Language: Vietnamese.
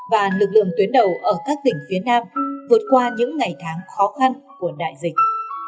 và lực lượng tuyến đầu ở các tỉnh phía nam vượt qua những ngày tháng khó khăn của đại dịch